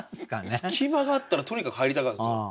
隙間があったらとにかく入りたがるんですよ。